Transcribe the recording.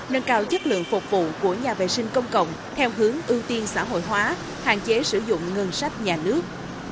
nâng cao chất lượng phục vụ của nhà vệ sinh công cộng theo hướng ưu tiên xã hội hóa hạn chế sử dụng ngân sách nhà nước